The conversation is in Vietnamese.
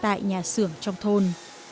tại nhà xưởng trong thôn